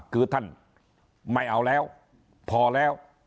คือท่านไม่เอาแล้วพอแล้ว